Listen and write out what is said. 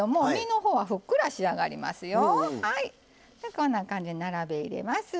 こんな感じに並べ入れます。